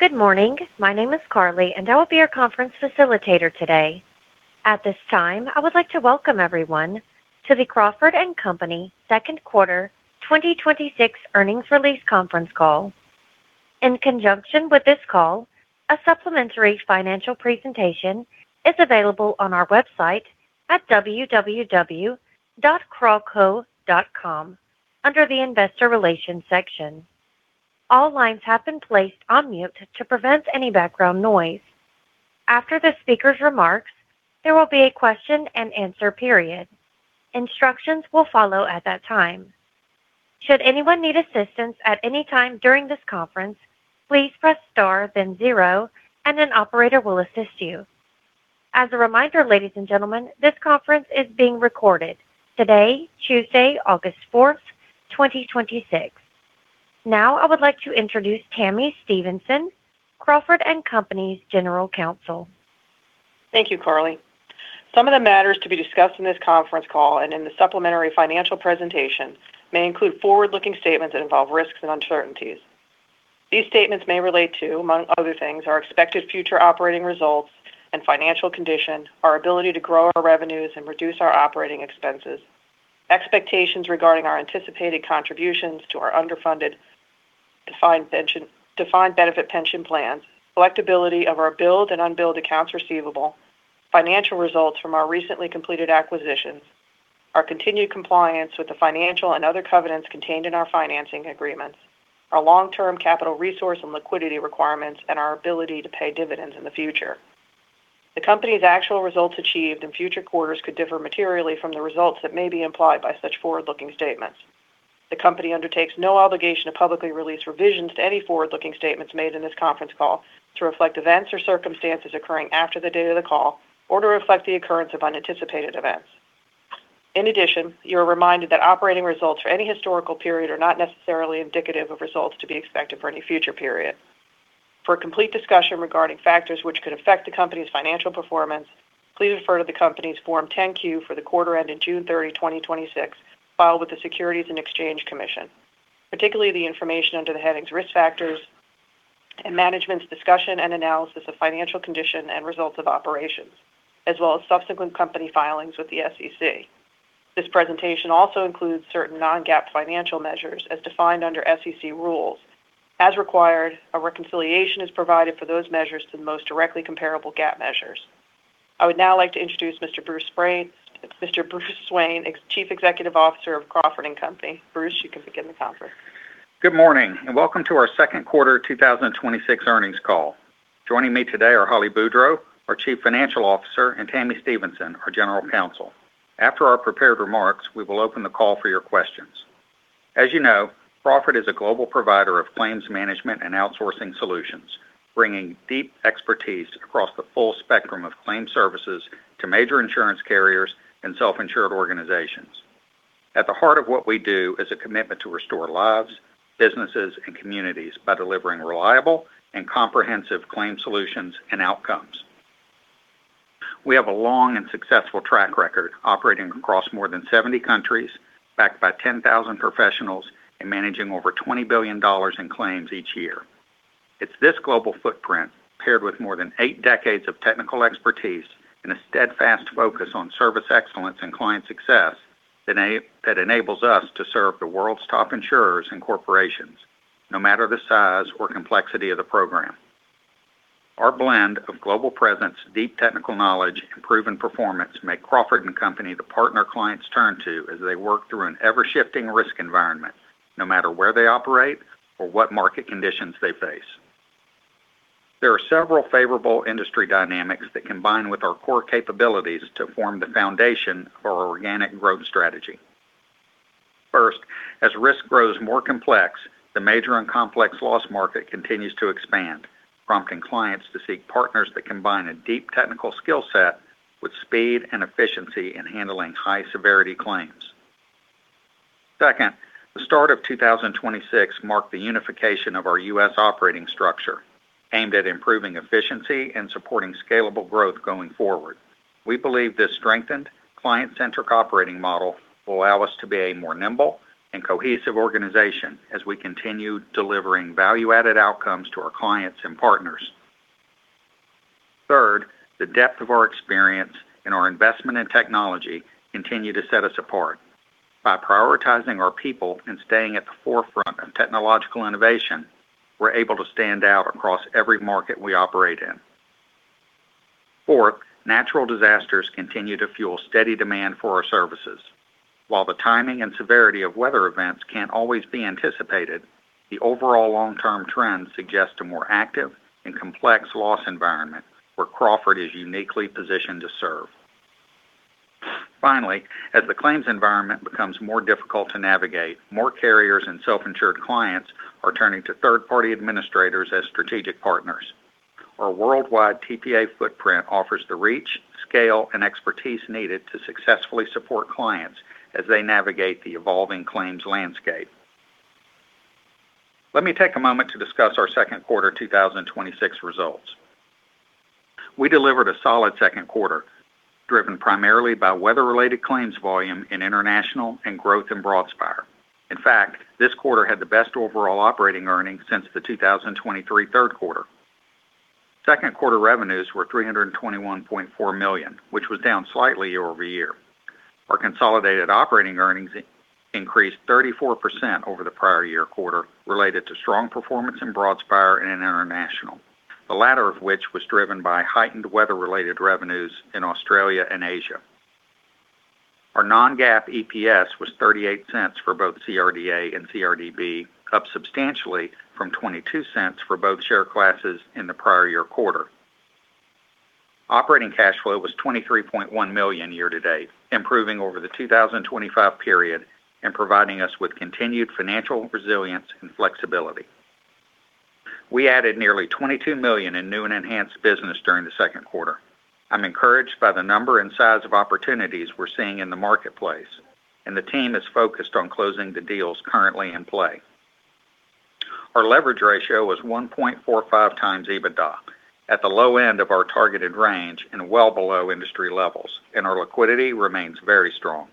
Good morning. My name is Carly, and I will be your conference facilitator today. At this time, I would like to welcome everyone to the Crawford & Company second quarter 2026 earnings release conference call. In conjunction with this call, a supplementary financial presentation is available on our website at www.crawco.com under the Investor Relations section. All lines have been placed on mute to prevent any background noise. After the speaker's remarks, there will be a question and answer period. Instructions will follow at that time. Should anyone need assistance at any time during this conference, please press star, then zero, and an operator will assist you. As a reminder, ladies and gentlemen, this conference is being recorded today, Tuesday, August 4th, 2026. Now I would like to introduce Tami Stevenson, Crawford & Company's General Counsel. Thank you, Carly. Some of the matters to be discussed in this conference call and in the supplementary financial presentation may include forward-looking statements that involve risks and uncertainties. These statements may relate to, among other things, our expected future operating results and financial condition, our ability to grow our revenues and reduce our operating expenses, expectations regarding our anticipated contributions to our underfunded defined benefit pension plans, collectability of our billed and unbilled accounts receivable, financial results from our recently completed acquisitions, our continued compliance with the financial and other covenants contained in our financing agreements, our long-term capital resource and liquidity requirements, and our ability to pay dividends in the future. The company's actual results achieved in future quarters could differ materially from the results that may be implied by such forward-looking statements. The company undertakes no obligation to publicly release revisions to any forward-looking statements made in this conference call to reflect events or circumstances occurring after the date of the call or to reflect the occurrence of unanticipated events. In addition, you are reminded that operating results for any historical period are not necessarily indicative of results to be expected for any future period. For a complete discussion regarding factors which could affect the company's financial performance, please refer to the company's Form 10-Q for the quarter ending June 30, 2026, filed with the Securities and Exchange Commission, particularly the information under the headings Risk Factors and Management's Discussion and Analysis of Financial Condition and Results of Operations, as well as subsequent company filings with the SEC. This presentation also includes certain non-GAAP financial measures as defined under SEC rules. As required, a reconciliation is provided for those measures to the most directly comparable GAAP measures. I would now like to introduce Mr. Bruce Swain, Chief Executive Officer of Crawford & Company. Bruce, you can begin the conference. Good morning, welcome to our second quarter 2026 earnings call. Joining me today are Holly Boudreau, our Chief Financial Officer, and Tami Stevenson, our General Counsel. After our prepared remarks, we will open the call for your questions. As you know, Crawford is a global provider of claims management and outsourcing solutions, bringing deep expertise across the full spectrum of claims services to major insurance carriers and self-insured organizations. At the heart of what we do is a commitment to restore lives, businesses, and communities by delivering reliable and comprehensive claims solutions and outcomes. We have a long and successful track record operating across more than 70 countries, backed by 10,000 professionals and managing over $20 billion in claims each year. It's this global footprint, paired with more than eight decades of technical expertise and a steadfast focus on service excellence and client success, that enables us to serve the world's top insurers and corporations, no matter the size or complexity of the program. Our blend of global presence, deep technical knowledge, and proven performance make Crawford & Company the partner clients turn to as they work through an ever-shifting risk environment, no matter where they operate or what market conditions they face. There are several favorable industry dynamics that combine with our core capabilities to form the foundation for our organic growth strategy. First, as risk grows more complex, the major and complex loss market continues to expand, prompting clients to seek partners that combine a deep technical skill set with speed and efficiency in handling high-severity claims. Second, the start of 2026 marked the unification of our U.S. operating structure, aimed at improving efficiency and supporting scalable growth going forward. We believe this strengthened client-centric operating model will allow us to be a more nimble and cohesive organization as we continue delivering value-added outcomes to our clients and partners. Third, the depth of our experience and our investment in technology continue to set us apart. By prioritizing our people and staying at the forefront of technological innovation, we're able to stand out across every market we operate in. Fourth, natural disasters continue to fuel steady demand for our services. While the timing and severity of weather events can't always be anticipated, the overall long-term trend suggests a more active and complex loss environment where Crawford is uniquely positioned to serve. Finally, as the claims environment becomes more difficult to navigate, more carriers and self-insured clients are turning to third-party administrators as strategic partners. Our worldwide TPA footprint offers the reach, scale, and expertise needed to successfully support clients as they navigate the evolving claims landscape. Let me take a moment to discuss our second quarter 2026 results. We delivered a solid second quarter, driven primarily by weather-related claims volume in International and growth in Broadspire. In fact, this quarter had the best overall operating earnings since the 2023 third quarter. Second quarter revenues were $321.4 million, which was down slightly year-over-year. Our consolidated operating earnings increased 34% over the prior year quarter related to strong performance in Broadspire and in International, the latter of which was driven by heightened weather-related revenues in Australia and Asia. Our non-GAAP EPS was $0.38 for both CRDA and CRDB, up substantially from $0.22 for both share classes in the prior year quarter. Operating cash flow was $23.1 million year-to-date, improving over the 2025 period and providing us with continued financial resilience and flexibility. We added nearly $22 million in new and enhanced business during the second quarter. I'm encouraged by the number and size of opportunities we're seeing in the marketplace. The team is focused on closing the deals currently in play. Our leverage ratio was 1.45x EBITDA, at the low end of our targeted range and well below industry levels. Our liquidity remains very strong.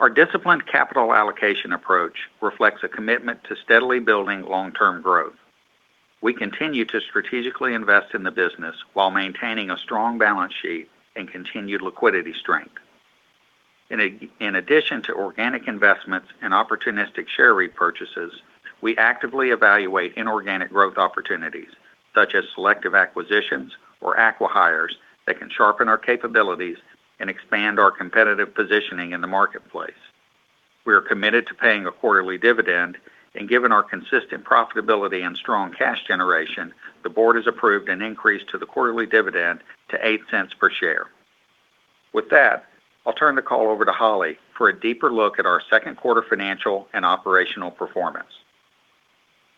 Our disciplined capital allocation approach reflects a commitment to steadily building long-term growth. We continue to strategically invest in the business while maintaining a strong balance sheet and continued liquidity strength. In addition to organic investments and opportunistic share repurchases, we actively evaluate inorganic growth opportunities, such as selective acquisitions or acqui-hires that can sharpen our capabilities and expand our competitive positioning in the marketplace. We are committed to paying a quarterly dividend. Given our consistent profitability and strong cash generation, the board has approved an increase to the quarterly dividend to $0.08 per share. With that, I'll turn the call over to Holly for a deeper look at our second quarter financial and operational performance.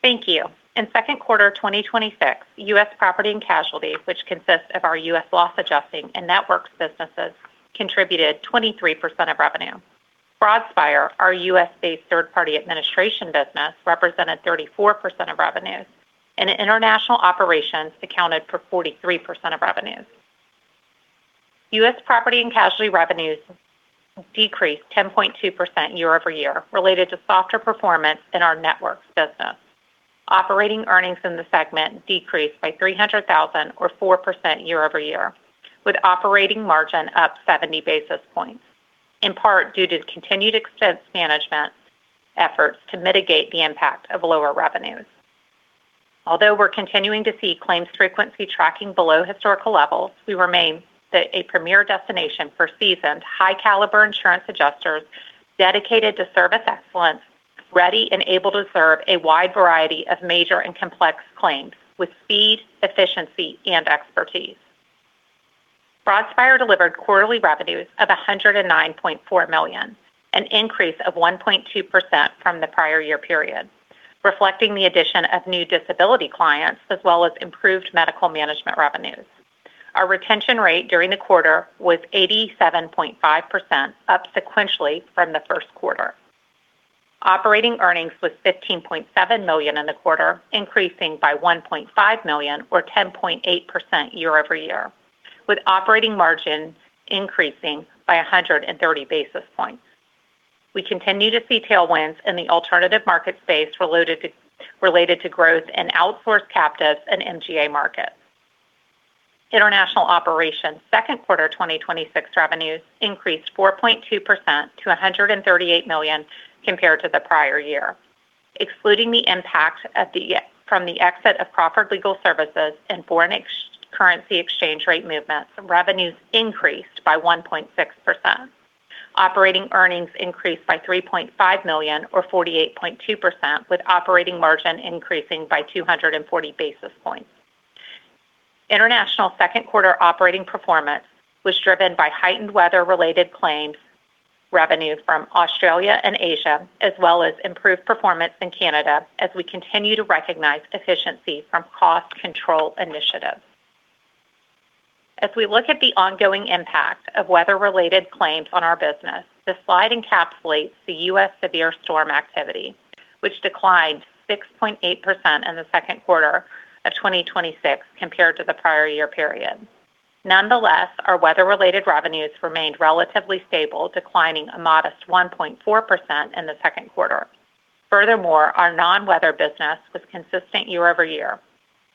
Thank you. In second quarter 2026, U.S. Property & Casualty, which consists of our U.S. loss adjusting and networks businesses, contributed 23% of revenue. Broadspire, our U.S.-based third-party administration business, represented 34% of revenues. International Operations accounted for 43% of revenues. U.S. Property & Casualty revenues decreased 10.2% year-over-year related to softer performance in our networks business. Operating earnings in the segment decreased by $300,000 or 4% year-over-year, with operating margin up 70 basis points, in part due to continued expense management efforts to mitigate the impact of lower revenues. Although we're continuing to see claims frequency tracking below historical levels, we remain a premier destination for seasoned, high-caliber insurance adjusters dedicated to service excellence, ready and able to serve a wide variety of major and complex claims with speed, efficiency, and expertise. Broadspire delivered quarterly revenues of $109.4 million, an increase of 1.2% from the prior year period, reflecting the addition of new disability clients as well as improved medical management revenues. Our retention rate during the quarter was 87.5%, up sequentially from the first quarter. Operating earnings was $15.7 million in the quarter, increasing by $1.5 million or 10.8% year-over-year, with operating margins increasing by 130 basis points. We continue to see tailwinds in the alternative market space related to growth in outsourced captives and MGAs markets. International Operations' second quarter 2026 revenues increased 4.2% to $138 million compared to the prior year. Excluding the impact from the exit of Crawford Legal Services and foreign currency exchange rate movements, revenues increased by 1.6%. Operating earnings increased by $3.5 million or 48.2%, with operating margin increasing by 240 basis points. International second quarter operating performance was driven by heightened weather-related claims revenues from Australia and Asia, as well as improved performance in Canada as we continue to recognize efficiency from cost control initiatives. As we look at the ongoing impact of weather-related claims on our business, this slide encapsulates the U.S. severe storm activity, which declined 6.8% in the second quarter of 2026 compared to the prior year period. Nonetheless, our weather-related revenues remained relatively stable, declining a modest 1.4% in the second quarter. Furthermore, our non-weather business was consistent year-over-year,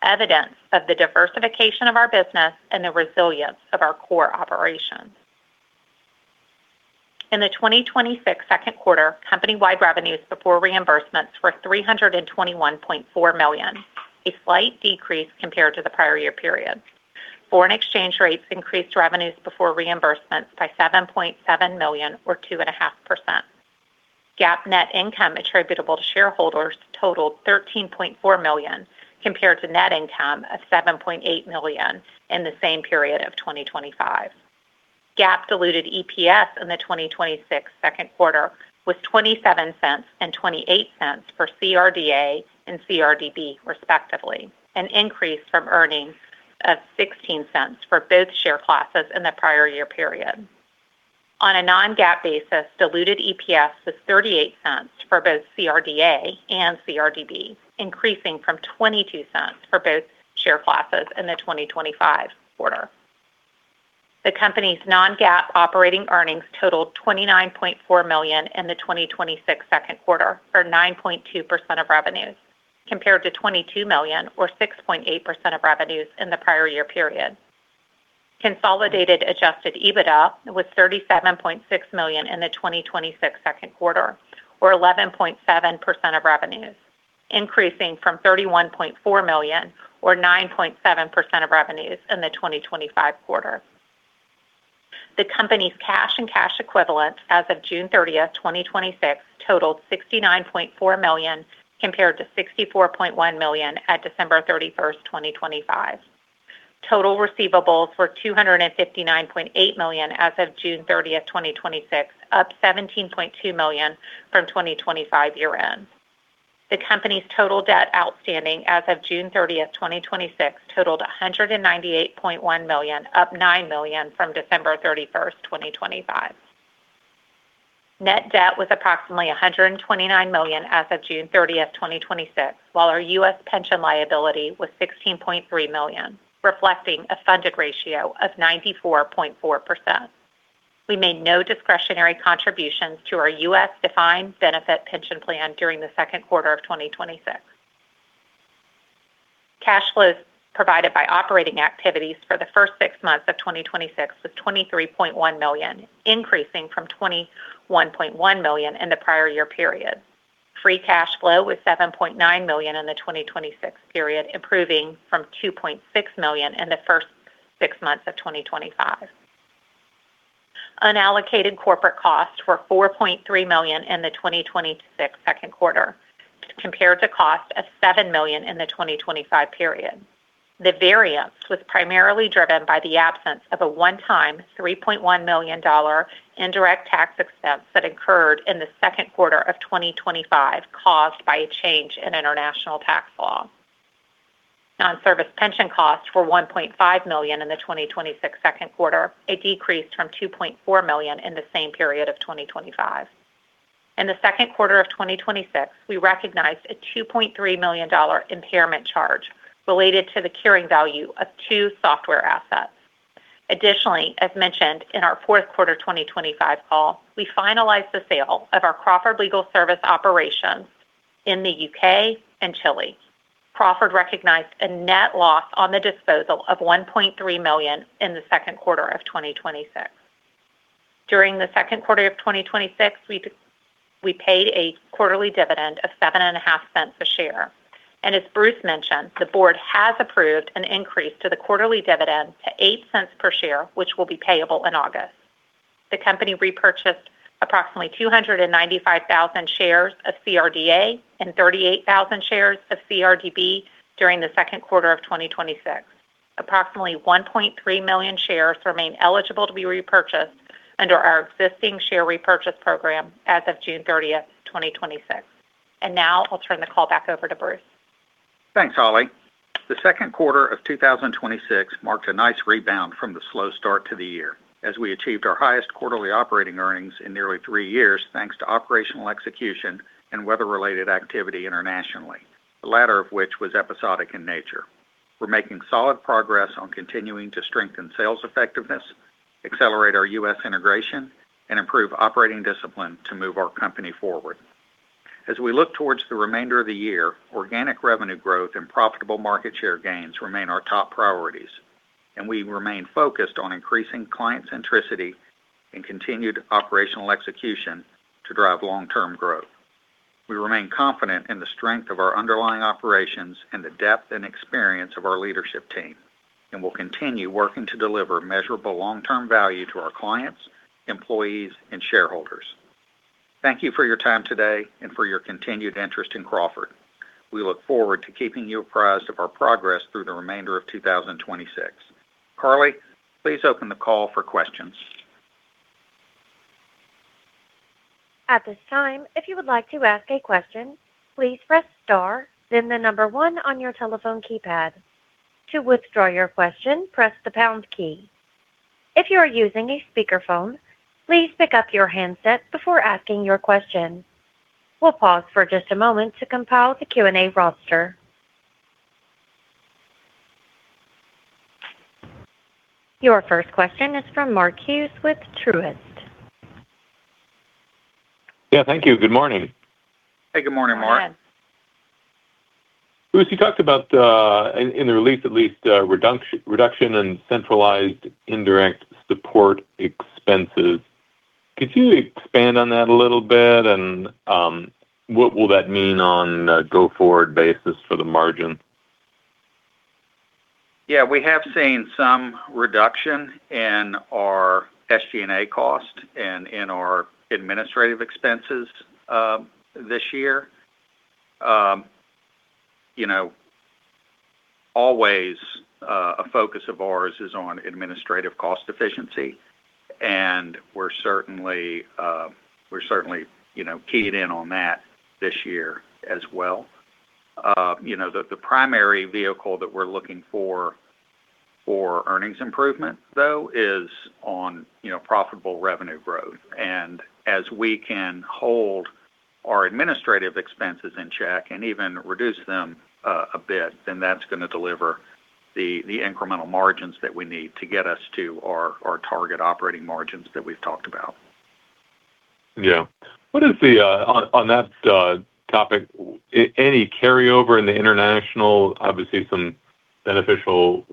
evidence of the diversification of our business and the resilience of our core operations. In the 2026 second quarter, company-wide revenues before reimbursements were $321.4 million, a slight decrease compared to the prior year period. Foreign exchange rates increased revenues before reimbursements by $7.7 million or 2.5%. GAAP net income attributable to shareholders totaled $13.4 million, compared to net income of $7.8 million in the same period of 2025. GAAP diluted EPS in the 2026 second quarter was $0.27 and $0.28 for CRDA and CRDB, respectively, an increase from earnings of $0.16 for both share classes in the prior year period. On a non-GAAP basis, diluted EPS was $0.38 for both CRDA and CRDB, increasing from $0.22 for both share classes in the 2025 quarter. The company's non-GAAP operating earnings totaled $29.4 million in the 2026 second quarter, or 9.2% of revenues, compared to $22 million, or 6.8% of revenues in the prior year period. Consolidated adjusted EBITDA was $37.6 million in the 2026 second quarter, or 11.7% of revenues, increasing from $31.4 million or 9.7% of revenues in the 2025 quarter. The company's cash and cash equivalents as of June 30th, 2026 totaled $69.4 million, compared to $64.1 million at December 31st, 2025. Total receivables were $259.8 million as of June 30th, 2026, up $17.2 million from 2025 year-end. The company's total debt outstanding as of June 30th, 2026 totaled $198.1 million, up $9 million from December 31st, 2025. Net debt was approximately $129 million as of June 30th, 2026, while our U.S. pension liability was $16.3 million, reflecting a funded ratio of 94.4%. We made no discretionary contributions to our U.S. defined benefit pension plan during the second quarter of 2026. Cash flow provided by operating activities for the first six months of 2026 was $23.1 million, increasing from $21.1 million in the prior year period. Free cash flow was $7.9 million in the 2026 period, improving from $2.6 million in the first six months of 2025. Unallocated corporate costs were $4.3 million in the 2026 second quarter, compared to costs of $7 million in the 2025 period. The variance was primarily driven by the absence of a one-time $3.1 million indirect tax expense that occurred in the second quarter of 2025, caused by a change in international tax law. Non-service pension costs were $1.5 million in the 2026 second quarter, a decrease from $2.4 million in the same period of 2025. In the second quarter of 2026, we recognized a $2.3 million impairment charge related to the carrying value of two software assets. Additionally, as mentioned in our fourth quarter 2025 call, we finalized the sale of our Crawford Legal Services operations in the U.K. and Chile. Crawford recognized a net loss on the disposal of $1.3 million in the second quarter of 2026. During the second quarter of 2026, we paid a quarterly dividend of $0.075 a share. As Bruce mentioned, the board has approved an increase to the quarterly dividend to $0.08 per share, which will be payable in August. The company repurchased approximately 295,000 shares of CRDA and 38,000 shares of CRDB during the second quarter of 2026. Approximately 1.3 million shares remain eligible to be repurchased under our existing share repurchase program as of June 30th, 2026. Now I'll turn the call back over to Bruce. Thanks, Holly. The second quarter of 2026 marked a nice rebound from the slow start to the year, as we achieved our highest quarterly operating earnings in nearly three years, thanks to operational execution and weather-related activity internationally, the latter of which was episodic in nature. We're making solid progress on continuing to strengthen sales effectiveness, accelerate our U.S. integration, and improve operating discipline to move our company forward. We look towards the remainder of the year, organic revenue growth and profitable market share gains remain our top priorities. We remain focused on increasing client centricity and continued operational execution to drive long-term growth. We remain confident in the strength of our underlying operations and the depth and experience of our leadership team, will continue working to deliver measurable long-term value to our clients, employees, and shareholders. Thank you for your time today and for your continued interest in Crawford. We look forward to keeping you apprised of our progress through the remainder of 2026. Carly, please open the call for questions. At this time, if you would like to ask a question, please press star, then the number one on your telephone keypad. To withdraw your question, press the pound key. If you are using a speakerphone, please pick up your handset before asking your question. We'll pause for just a moment to compile the Q&A roster. Your first question is from Mark Hughes with Truist. Yeah, thank you. Good morning. Hey, good morning, Mark. Go ahead. Bruce, you talked about, in the release at least, a reduction in centralized indirect support expenses. Could you expand on that a little bit, and what will that mean on a go-forward basis for the margin? Yeah. We have seen some reduction in our SG&A cost and in our administrative expenses this year. Always a focus of ours is on administrative cost efficiency, and we're certainly keyed in on that this year as well. The primary vehicle that we're looking for earnings improvement though is on profitable revenue growth. As we can hold our administrative expenses in check and even reduce them a bit, that's going to deliver the incremental margins that we need to get us to our target operating margins that we've talked about. Yeah. On that topic, any carryover in the International, obviously some beneficial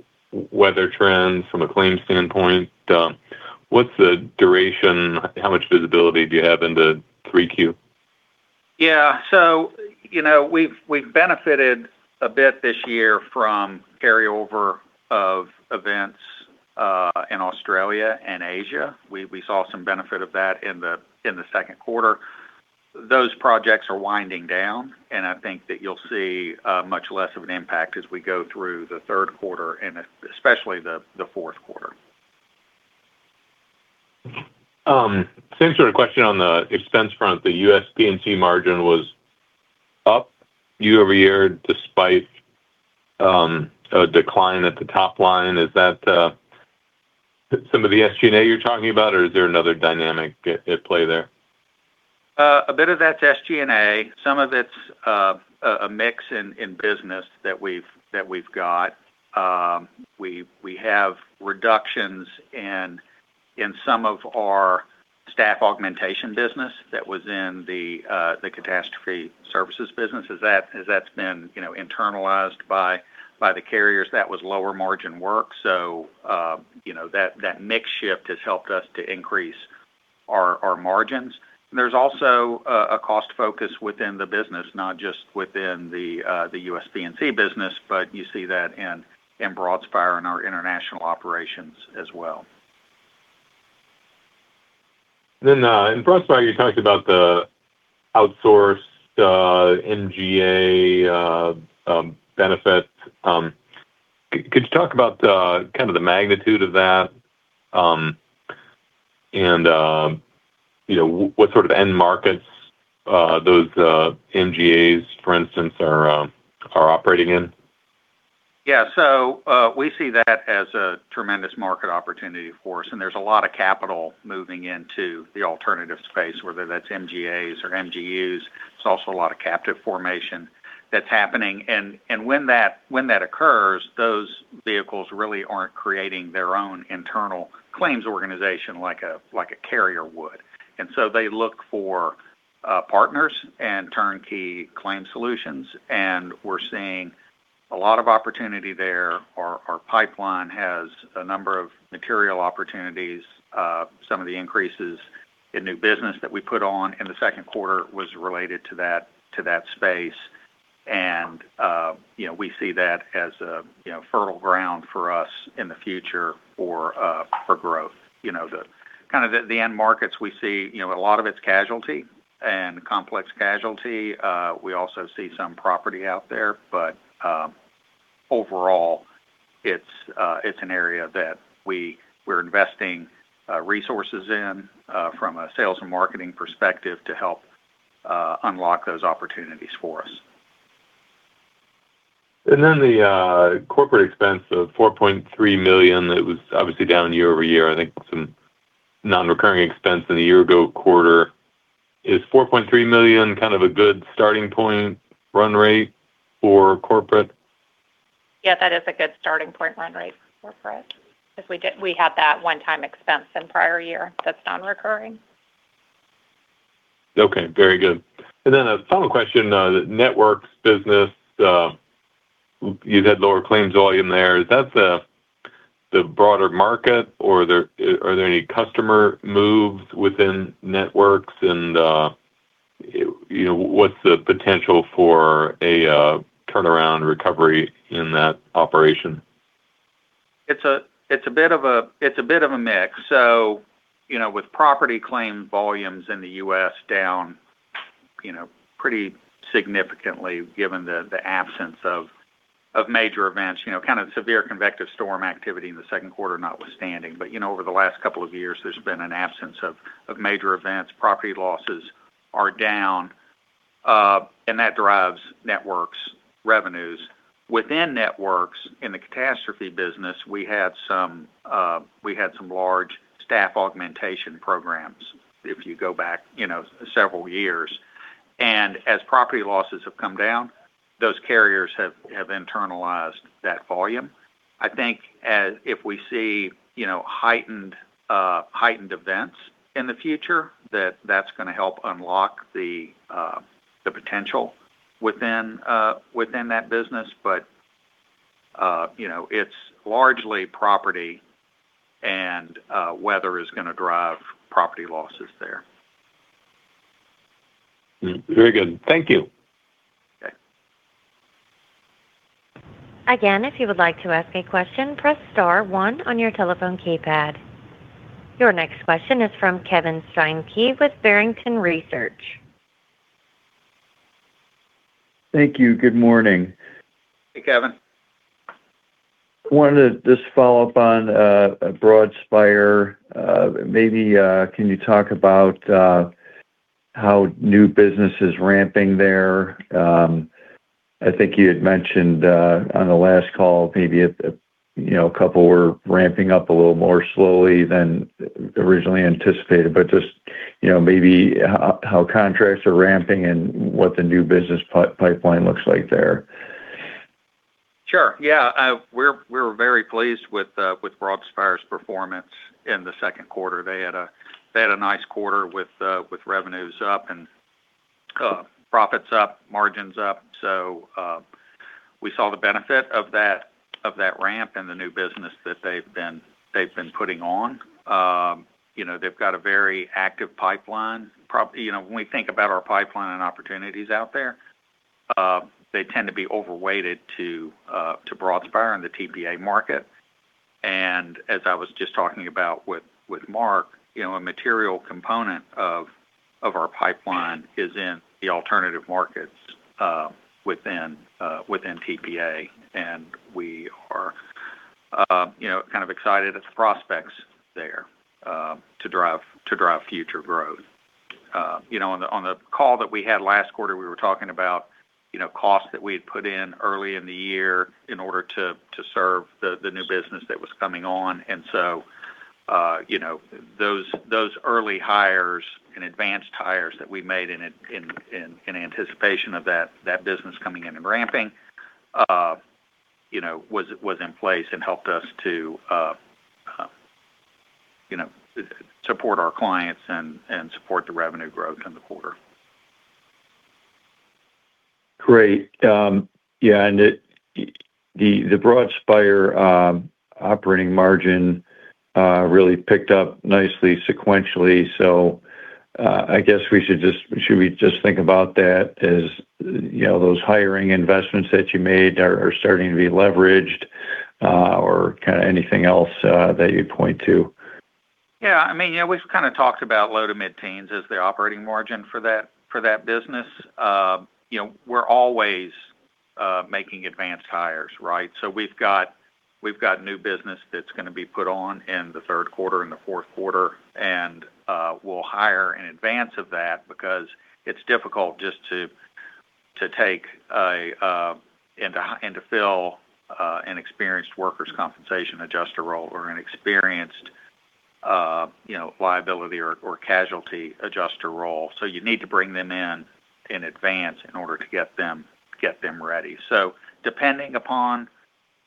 weather trends from a claims standpoint. What's the duration? How much visibility do you have into 3Q? Yeah. We've benefited a bit this year from carryover of events, in Australia and Asia. We saw some benefit of that in the second quarter. Those projects are winding down, and I think that you'll see much less of an impact as we go through the third quarter and especially the fourth quarter. Similar question on the expense front. The U.S. P&C margin was up year-over-year despite a decline at the top line. Is that some of the SG&A you're talking about, or is there another dynamic at play there? A bit of that's SG&A. Some of it's a mix in business that we've got. We have reductions in some of our staff augmentation business that was in the catastrophe services business, as that's been internalized by the carriers. That was lower margin work. That mix shift has helped us to increase our margins. There's also a cost focus within the business, not just within the U.S. P&C business, but you see that in Broadspire and our International Operations as well. In Broadspire, you talked about the outsourced MGA benefits. Could you talk about the magnitude of that, and what sort of end markets those MGAs, for instance, are operating in? Yeah. We see that as a tremendous market opportunity for us, and there's a lot of capital moving into the alternative space, whether that's MGAs or MGUs. There's also a lot of captive formation that's happening. When that occurs, those vehicles really aren't creating their own internal claims organization like a carrier would. They look for partners and turnkey claim solutions, and we're seeing a lot of opportunity there. Our pipeline has a number of material opportunities. Some of the increases in new business that we put on in the second quarter was related to that space. We see that as a fertile ground for us in the future for growth. Kind of the end markets we see, a lot of it's casualty and complex casualty. We also see some property out there, overall it's an area that we're investing resources in from a sales and marketing perspective to help unlock those opportunities for us. The corporate expense of $4.3 million, it was obviously down year-over-year. I think some non-recurring expense in the year-ago quarter. Is $4.3 million kind of a good starting point run rate for corporate? That is a good starting point run rate for corporate. We had that one-time expense in prior year that's non-recurring. Okay. Very good. A final question. The networks business, you've had lower claims volume there. Is that the broader market, or are there any customer moves within networks? What's the potential for a turnaround recovery in that operation? It's a bit of a mix. With property claim volumes in the U.S. down pretty significantly, given the absence of major events, kind of severe convective storm activity in the second quarter notwithstanding. Over the last couple of years, there's been an absence of major events. Property losses are down, and that drives networks revenues. Within networks, in the catastrophe business, we had some large staff augmentation programs, if you go back several years. As property losses have come down, those carriers have internalized that volume. I think if we see heightened events in the future, that's going to help unlock the potential within that business. It's largely property, and weather is going to drive property losses there. Very good. Thank you. Okay. Again, if you would like to ask a question, press star one on your telephone keypad. Your next question is from Kevin Steinke with Barrington Research. Thank you. Good morning. Hey, Kevin Wanted to just follow up on Broadspire. Can you talk about how new business is ramping there? I think you had mentioned on the last call maybe a couple were ramping up a little more slowly than originally anticipated, just maybe how contracts are ramping and what the new business pipeline looks like there. Sure. Yeah. We're very pleased with Broadspire's performance in the second quarter. They had a nice quarter with revenues up and profits up, margins up. We saw the benefit of that ramp in the new business that they've been putting on. They've got a very active pipeline. When we think about our pipeline and opportunities out there, they tend to be overweighted to Broadspire in the TPA market. As I was just talking about with Mark, a material component of our pipeline is in the alternative markets within TPA, we are kind of excited at the prospects there to drive future growth. On the call that we had last quarter, we were talking about cost that we had put in early in the year in order to serve the new business that was coming on. Those early hires and advanced hires that we made in anticipation of that business coming in and ramping, was in place and helped us to support our clients and support the revenue growth in the quarter. Great. Yeah, the Broadspire operating margin really picked up nicely sequentially. I guess should we just think about that as those hiring investments that you made are starting to be leveraged or kind of anything else that you'd point to? Yeah. We've kind of talked about low to mid-teens as the operating margin for that business. We're always making advanced hires, right? We've got new business that's going to be put on in the third quarter and the fourth quarter, and we'll hire in advance of that because it's difficult just to take and to fill an experienced workers' compensation adjuster role or an experienced liability or casualty adjuster role. You need to bring them in in advance in order to get them ready. Depending upon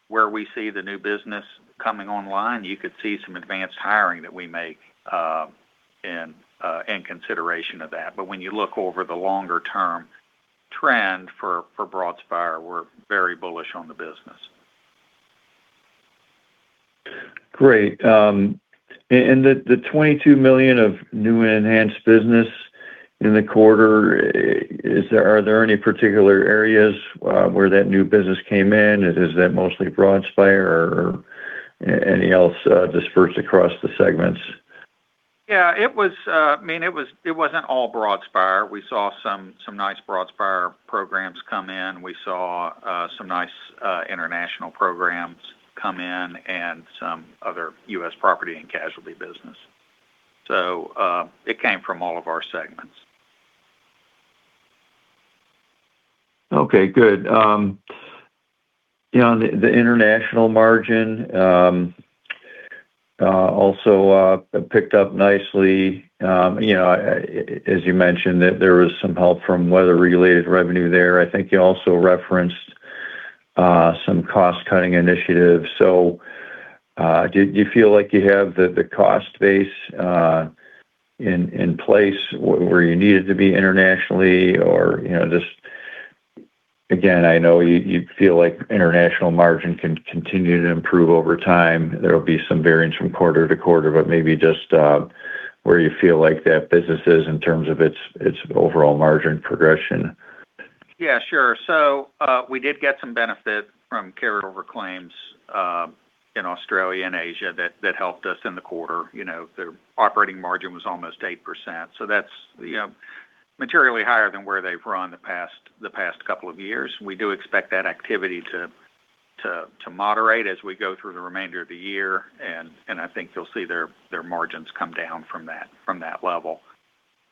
where we see the new business coming online, you could see some advanced hiring that we make in consideration of that. When you look over the longer-term trend for Broadspire, we're very bullish on the business. Great. The $22 million of new enhanced business in the quarter, are there any particular areas where that new business came in? Is that mostly Broadspire or anything else dispersed across the segments? Yeah. It wasn't all Broadspire. We saw some nice Broadspire programs come in. We saw some nice International programs come in and some other U.S. Property & Casualty business. It came from all of our segments. Okay, good. The International margin also picked up nicely. As you mentioned, there was some help from weather-related revenue there. I think you also referenced some cost-cutting initiatives. Did you feel like you have the cost base in place where you needed to be internationally? Just, again, I know you feel like International margin can continue to improve over time. There'll be some variance from quarter-to-quarter, but maybe just where you feel like that business is in terms of its overall margin progression. Yeah, sure. We did get some benefit from carried over claims in Australia and Asia that helped us in the quarter. Their operating margin was almost 8%. That's materially higher than where they've run the past couple of years. We do expect that activity to moderate as we go through the remainder of the year, and I think you'll see their margins come down from that level.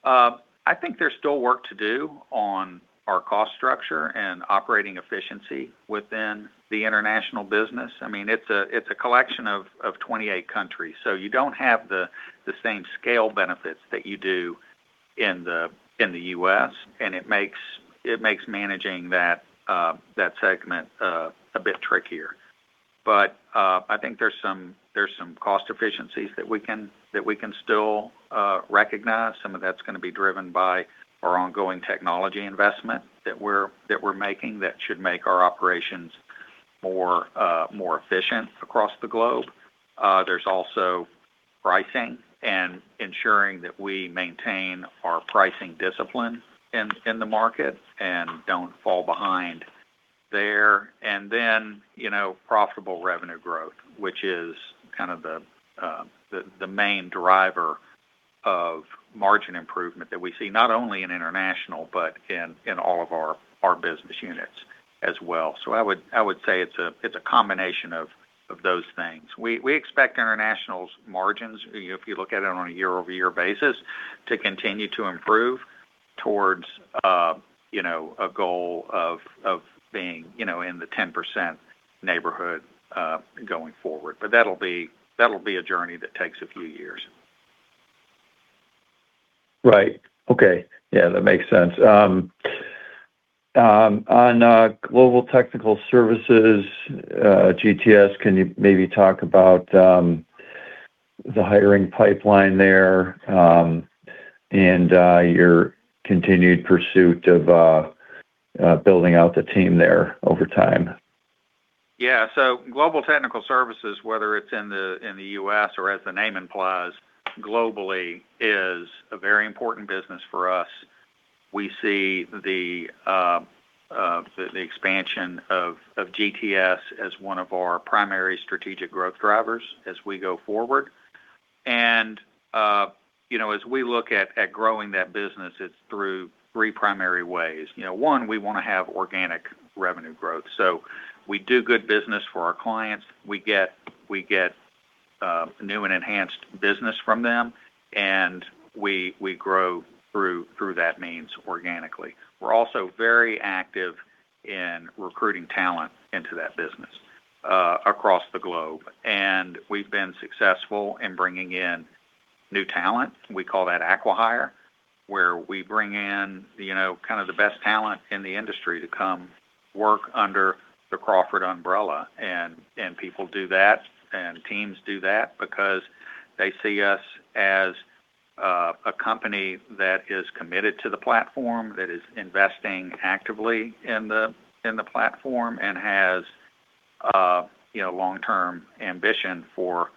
I think there's still work to do on our cost structure and operating efficiency within the International business. It's a collection of 28 countries, so you don't have the same scale benefits that you do in the U.S., and it makes managing that segment a bit trickier. I think there's some cost efficiencies that we can still recognize. Some of that's going to be driven by our ongoing technology investment that we're making that should make our operations more efficient across the globe. There's also pricing and ensuring that we maintain our pricing discipline in the market and don't fall behind there. Then profitable revenue growth, which is kind of the main driver of margin improvement that we see not only in International, but in all of our business units as well. I would say it's a combination of those things. We expect International's margins, if you look at it on a year-over-year basis, to continue to improve towards a goal of being in the 10% neighborhood going forward. That'll be a journey that takes a few years. Right. Okay. Yeah, that makes sense. On Global Technical Services, GTS, can you maybe talk about the hiring pipeline there and your continued pursuit of building out the team there over time? Yeah. Global Technical Services, whether it's in the U.S. or, as the name implies, globally, is a very important business for us. We see the expansion of GTS as one of our primary strategic growth drivers as we go forward. As we look at growing that business, it's through three primary ways. One, we want to have organic revenue growth. We do good business for our clients. We get new and enhanced business from them, and we grow through that means organically. We're also very active in recruiting talent into that business across the globe, and we've been successful in bringing in new talent. We call that acqui-hire, where we bring in kind of the best talent in the industry to come work under the Crawford umbrella. People do that, teams do that because they see us as a company that is committed to the platform, that is investing actively in the platform, and has long-term ambition for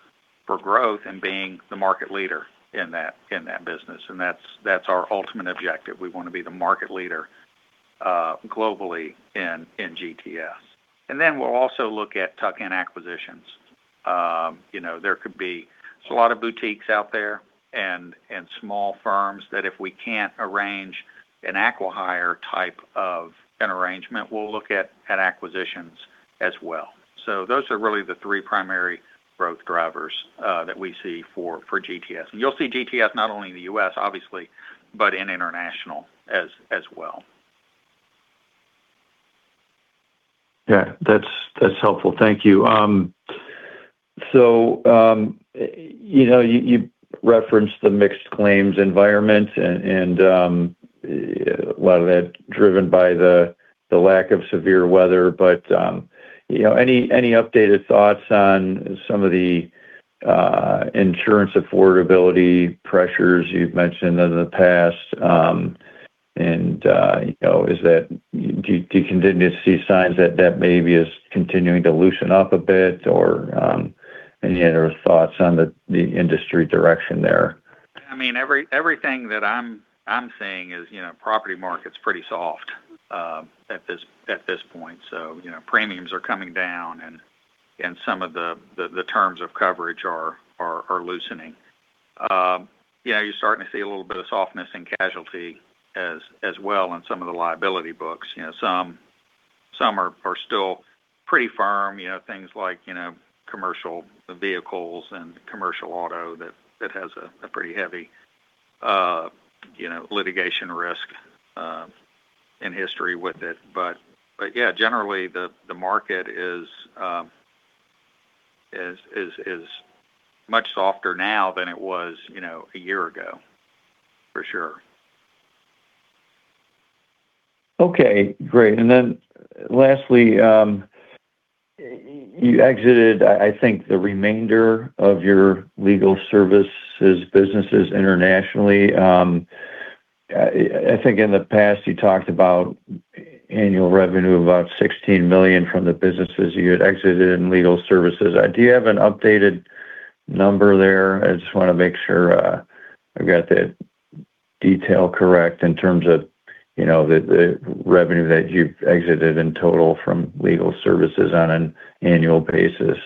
growth and being the market leader in that business. That's our ultimate objective. We want to be the market leader globally in GTS. Then we'll also look at tuck-in acquisitions. There could be a lot of boutiques out there and small firms that if we can't arrange an acqui-hire type of an arrangement, we'll look at acquisitions as well. Those are really the three primary growth drivers that we see for GTS. You'll see GTS not only in the U.S., obviously, but in International as well. Yeah. That's helpful. Thank you. You referenced the mixed claims environment and a lot of that driven by the lack of severe weather. Any updated thoughts on some of the insurance affordability pressures you've mentioned in the past? Do you continue to see signs that maybe is continuing to loosen up a bit? Or any other thoughts on the industry direction there? Everything that I'm seeing is property market's pretty soft at this point. Premiums are coming down and some of the terms of coverage are loosening. Yeah, you're starting to feel a little bit of softness in casualty as well on some of the liability books. Some are still pretty firm, things like commercial vehicles and commercial auto that has a pretty heavy litigation risk and history with it. But, generally, the market is much softer now than it was a year ago, for sure. Okay, great. Then lastly, you exited, I think, the remainder of your Legal Services businesses Internationally. I think in the past, you talked about annual revenue of about $16 million from the businesses you had exited in Legal Services. Do you have an updated number there? I just want to make sure I've got the detail correct in terms of the revenue that you've exited in total from Legal Services on an annual basis.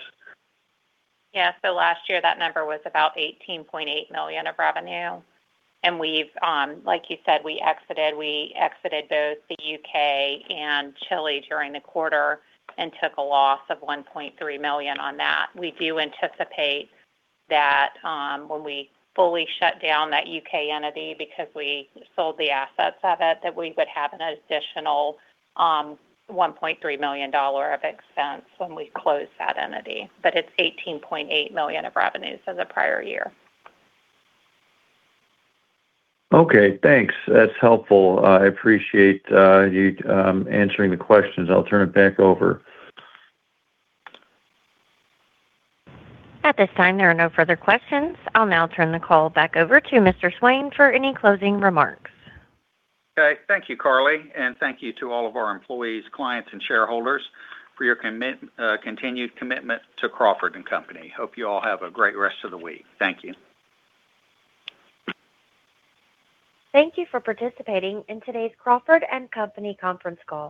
Last year, that number was about $18.8 million of revenue. Like you said, we exited both the U.K. and Chile during the quarter and took a loss of $1.3 million on that. We do anticipate that when we fully shut down that U.K. entity, because we sold the assets of it, that we would have an additional $1.3 million of expense when we close that entity. It's $18.8 million of revenues for the prior year. Okay. Thanks. That's helpful. I appreciate you answering the questions. I'll turn it back over. At this time, there are no further questions. I'll now turn the call back over to Mr. Swain for any closing remarks. Thank you, Carly, and thank you to all of our employees, clients, and shareholders for your continued commitment to Crawford & Company. I hope you all have a great rest of the week. Thank you. Thank you for participating in today's Crawford & Company conference call.